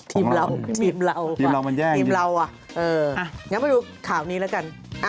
ทีมเราว่ะทีมเราอ่ะอย่างนั้นไปดูข่าวนี้แล้วกัน